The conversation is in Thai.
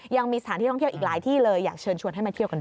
ยังมีสถานที่ท่องเที่ยวอีกหลายที่เลยอยากเชิญชวนให้มาเที่ยวกันด้วย